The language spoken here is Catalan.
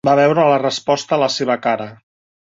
Va veure la resposta a la seva cara.